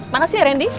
makasih ya randy